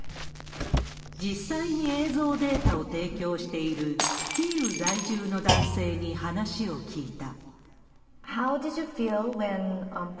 実際に映像データを提供しているキーウ在住の男性に話を聞いた。